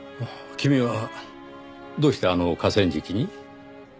君はどうしてあの河川敷に？